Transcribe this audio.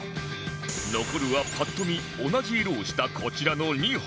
残るはパッと見同じ色をしたこちらの２本